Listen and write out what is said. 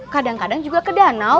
kadang kadang juga ke danau